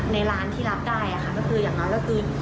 ในร้านที่รับได้นะคะก็คืออย่างนั้น